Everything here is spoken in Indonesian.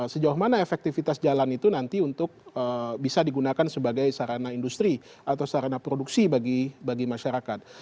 sejauh mana efektivitas jalan itu nanti untuk bisa digunakan sebagai sarana industri atau sarana produksi bagi masyarakat